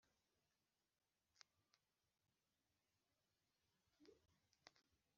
gufasha ubugingo bwimuka kugera kuri moksha